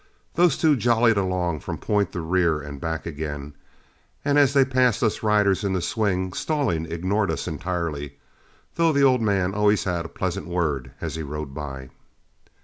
The two jollied along from point to rear and back again, and as they passed us riders in the swing, Stallings ignored us entirely, though the old man always had a pleasant word as he rode by.